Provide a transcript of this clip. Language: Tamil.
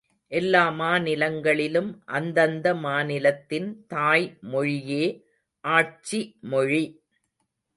எல்லா மாநிலங்களிலும் அந்தந்த மாநிலத்தின் தாய் மொழியே ஆட்சி மொழி.